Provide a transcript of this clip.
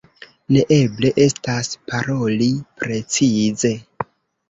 Neeble estas paroli precize.